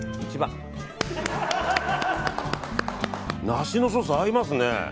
ナシのソース合いますね。